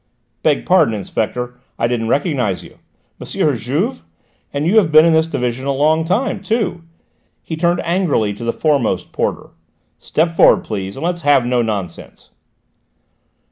"Beg pardon, Inspector, I didn't recognise you! M. Juve! And you have been in this division a long time too!" He turned angrily to the foremost porter. "Step forward, please, and let's have no nonsense!"